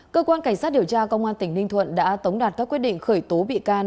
cơ quan cảnh sát điều tra công an tỉnh ninh thuận đã tống đạt các quyết định khởi tố bị can